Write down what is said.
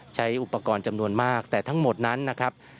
ใช้อุปกรณ์จำนวนมากแต่ทั้งหมดนั้นนะครับ